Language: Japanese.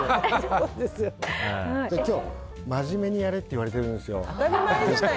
今日、真面目にやれって言われてるんですよ。